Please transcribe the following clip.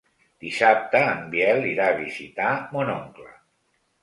Dissabte en Biel irà a visitar mon oncle.